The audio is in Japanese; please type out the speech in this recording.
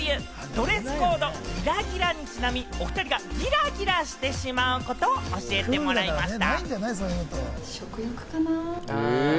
ドレスコード・ギラギラにちなみ、おふたりがギラギラしてしまうことを教えてもらいました。